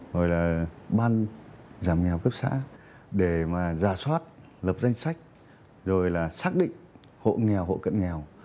rồi là ban giảm nghèo cấp xã để mà giả soát lập danh sách rồi là xác định hộ nghèo hộ cận nghèo